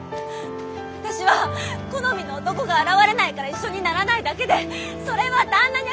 私は好みの男が現れないから一緒にならないだけでそれは旦那にゃ